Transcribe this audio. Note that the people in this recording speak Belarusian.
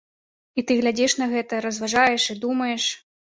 І ты глядзіш на гэта, разважаеш і думаеш.